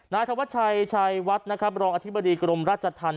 นายธวัชชัยชัยวัดนะครับรองอธิบดีกรมราชธรรม